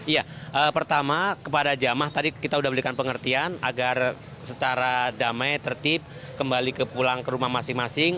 ya pertama kepada jamah tadi kita sudah memberikan pengertian agar secara damai tertib kembali ke pulang ke rumah masing masing